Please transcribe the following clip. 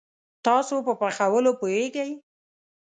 تاسو په پخولوو پوهیږئ؟